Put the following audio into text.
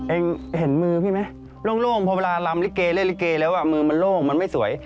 เห็นมือพี่ไหมโล่งพอเวลาลำลิเกเล่นลิเกแล้วมือมันโล่งมันไม่สวย